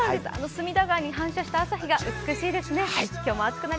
隅田川に反射したのが美しいですね。